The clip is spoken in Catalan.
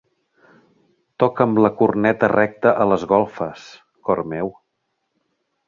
Toca'm la corneta recta a les golfes, cor meu.